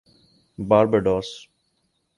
Barbados